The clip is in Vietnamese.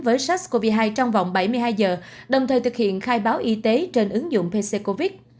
với sars cov hai trong vòng bảy mươi hai giờ đồng thời thực hiện khai báo y tế trên ứng dụng pc covid